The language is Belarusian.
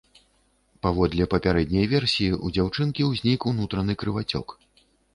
Паводле папярэдняй версіі, у дзяўчынкі ўзнік унутраны крывацёк.